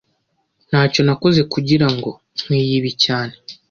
Ntacyo nakoze kugirango nkwiye ibi cyane